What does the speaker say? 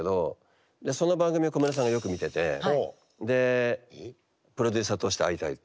でその番組を小室さんがよく見ててでプロデューサーとして会いたいと。